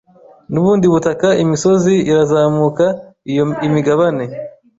nubundi butaka Imisozi irazamuka iyo imigabane